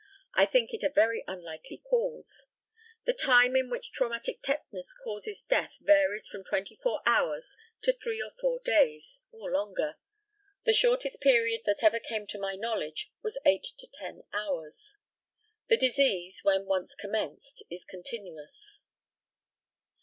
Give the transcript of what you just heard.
I think it a very unlikely cause. The time in which traumatic tetanus causes death varies from twenty four hours to three or four days, or longer. The shortest period that ever came to my knowledge was eight to ten hours. The disease, when once commenced, is continuous.